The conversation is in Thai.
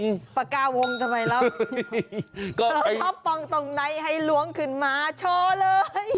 ไม่ใช่ปากกาวงทำไมล่ะเธอชอบปองตรงไหนให้หลวงขึ้นมาโชว์เลย